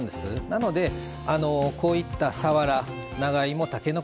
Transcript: なのでこういったさわら長芋たけのこ